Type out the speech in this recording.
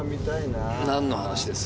なんの話です？